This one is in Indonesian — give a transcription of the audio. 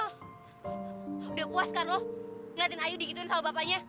lo udah puas kan lo ngeliatin ayu dikit liat sama bapaknya